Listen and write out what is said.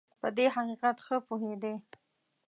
په دې حقیقت ښه پوهېدی.